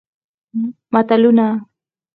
متلونه